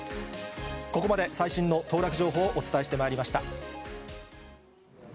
ここまで、最新の当落情報をお伝えしてまいりました。